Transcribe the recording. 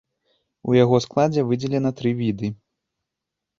У яго складзе выдзелена тры віды.